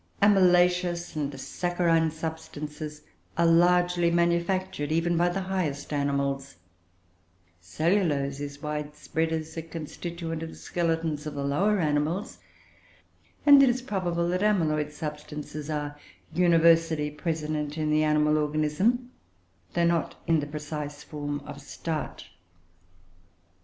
Amylaceous and saccharine substances are largely manufactured, even by the highest animals; cellulose is widespread as a constituent of the skeletons of the lower animals; and it is probable that amyloid substances are universally present in the animal organism, though not in the precise form of starch.